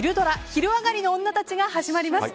「昼上がりのオンナたち」が始まります。